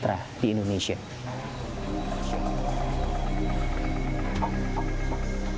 tetap menjaga kualitasnya untuk tetap menjaga kualitasnya